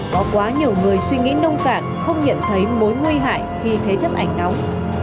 có quá nhiều người suy nghĩ nông cản không nhận thấy mối nguy hại khi thế chất ảnh đóng